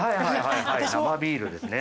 生ビールですね。